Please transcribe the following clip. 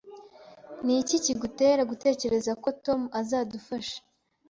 Niki kigutera gutekereza ko Tom atazadufasha?